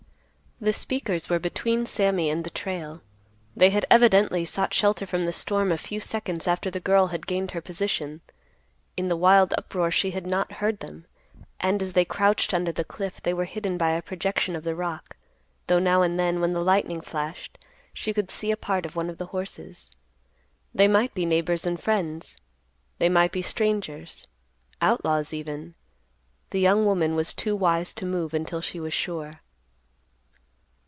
The speakers were between Sammy and the trail. They had evidently sought shelter from the storm a few seconds after the girl had gained her position. In the wild uproar she had not heard them, and, as they crouched under the cliff, they were hidden by a projection of the rock, though now and then, when the lightning flashed, she could see a part of one of the horses. They might be neighbors and friends. They might be strangers, outlaws even. The young woman was too wise to move until she was sure.